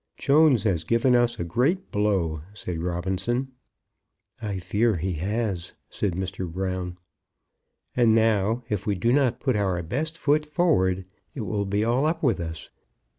"Jones has given us a great blow," said Robinson. "I fear he has," said Mr. Brown. "And now, if we do not put our best foot forward it will be all up with us.